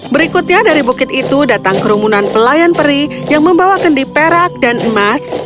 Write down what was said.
berikutnya dari bukit itu datang kerumunan pelayan peri yang membawa kendi perak dan emas